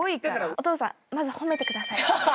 お父さんまず褒めてください。